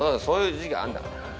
そういう時期あんだから。